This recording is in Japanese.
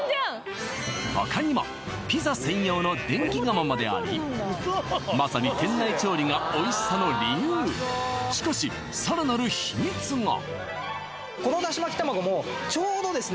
他にもピザ専用の電気窯までありまさに店内調理がおいしさの理由しかしこのだし巻き玉子もちょうどですね